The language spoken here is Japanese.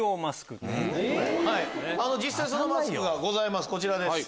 実際そのマスクがございますこちらです。